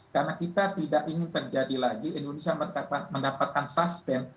karena kita tidak ingin terjadi lagi indonesia mendapatkan suspend